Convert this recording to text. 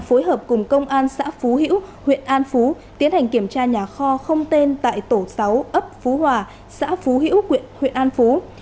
phối hợp cùng công an xã phú hữu huyện an phú tiến hành kiểm tra nhà kho không tên tại tổ sáu ấp phú hòa xã phú hữu huyện an phú